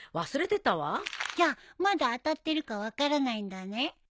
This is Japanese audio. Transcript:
じゃまだ当たってるか分からないんだね。